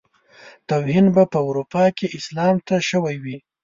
توهين به په اروپا کې اسلام ته شوی وي.